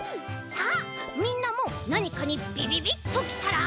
さあみんなもなにかにびびびっときたら。